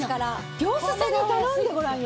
業者さんに頼んでごらんよ。